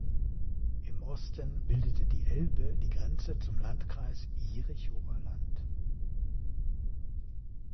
Im Osten bildete die Elbe die Grenze zum Landkreis Jerichower Land.